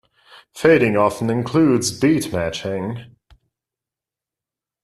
Fading often includes beatmatching.